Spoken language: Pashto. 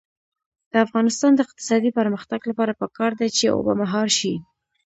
د افغانستان د اقتصادي پرمختګ لپاره پکار ده چې اوبه مهار شي.